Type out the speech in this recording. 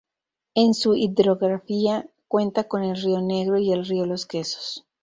En su hidrografía cuenta con el Río Negro y el Río Los Quesos.